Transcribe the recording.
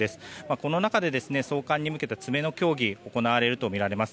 この中で送還に向けた詰めの協議が行われるとみられます。